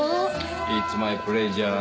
イッツマイプレジャー。